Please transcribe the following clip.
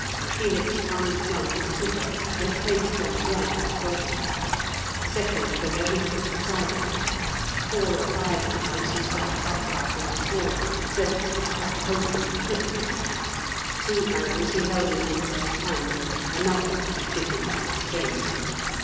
Felix unslung his quiver, and placed it on the ground before him; a second quiver he put beside it; four or five arrows he stuck upright in the sward, so that he could catch hold of them quickly; two arrows he held in his left hand, another he fitted to the string.